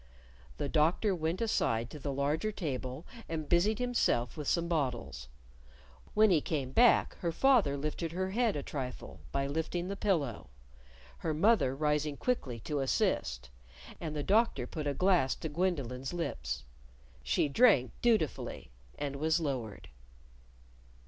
The Doctor went aside to the larger table and busied himself with some bottles. When he came back, her father lifted her head a trifle by lifting the pillow her mother rising quickly to assist and the Doctor put a glass to Gwendolyn's lips. She drank dutifully, and was lowered.